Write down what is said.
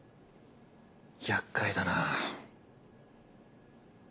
やっかいだな。